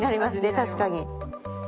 確かに。